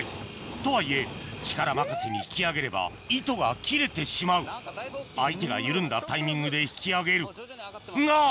とはいえ力任せに引き上げれば糸が切れてしまう相手が緩んだタイミングで引き上げるが！